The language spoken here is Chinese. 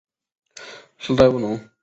世代务农。